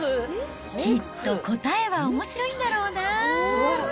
きっと答えはおもしろいんだろうな。